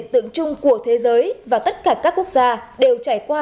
tất cả các quốc gia đều trải qua